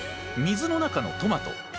水の中のトマト。